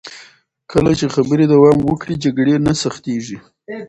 کله چې خبرې دوام وکړي، شخړې نه سختېږي.